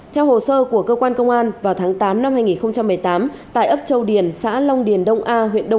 theo hồ sơ của cơ quan công an vào tháng tám năm hai nghìn một mươi tám tại ấp châu điền xã long điền đông a huyện đông